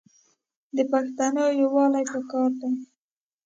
د پښتانو یوالي پکار دی.